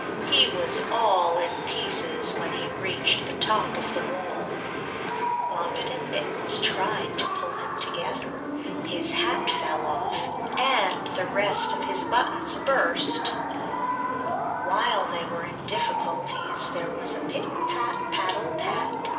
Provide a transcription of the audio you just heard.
He was all in pieces when he reached the top of the wall. Moppet and Mittens tried to pull him together; his hat fell off, and the rest of his buttons burst. While they were in difficulties, there was a pit pat paddle pat!